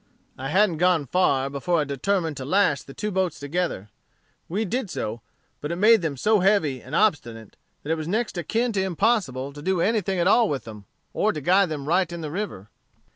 I hadn't gone far before I determined to lash the two boats together. We did so; but it made them so heavy and obstinate that it was next akin to impossible to do any thing at all with them, or to guide them right in the river.